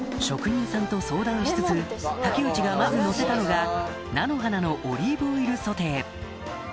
職人さんと相談しつつ竹内がまずのせたのが菜の花のオリーブオイルソテー